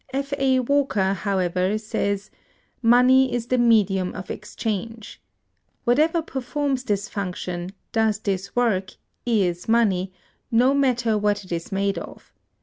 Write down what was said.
F. A. Walker,(221) however, says: "Money is the medium of exchange. Whatever performs this function, does this work, is money, no matter what it is made of....